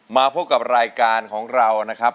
มาพบกับรายการของเรานะครับ